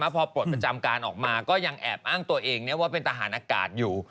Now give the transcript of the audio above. พอปลดประจำการออกมาก็ยังแอบอ้างตัวเองว่าเป็นทหารอากาศอยู่